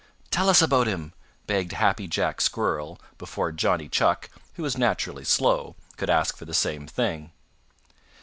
"Tell us about him," begged Happy Jack Squirrel before Johnny Chuck, who is naturally slow, could ask for the same thing.